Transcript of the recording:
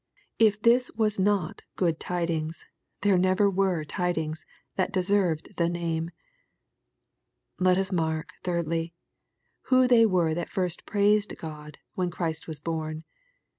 If this was not " good tidings," there never were tidings that deserved the name. Let us mark, thirdly, who they were that first praised Gody when Christ was horn.